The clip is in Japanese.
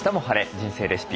人生レシピ」